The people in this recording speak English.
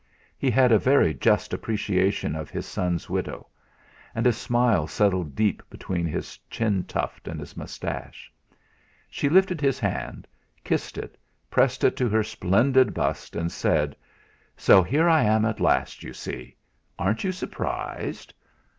He had a very just appreciation of his son's widow; and a smile settled deep between his chin tuft and his moustache. She lifted his hand, kissed it, pressed it to her splendid bust, and said: "So here I am at last, you see. Aren't you surprised?"